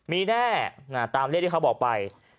มีแน่ตามเลขที่เขาบอกไป